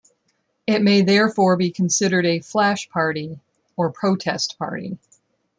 It may therefore be considered a "flash party" or protest party.